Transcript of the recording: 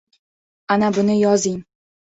Ana buni yozing!